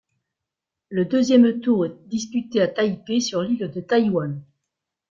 Le deuxième tour est disputé à Taipei, sur l'île de Taïwan.